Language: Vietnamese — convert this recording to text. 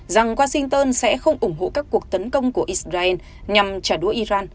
rằng washington sẽ không ủng hộ các cuộc tấn công của israel nhằm trả đũa iran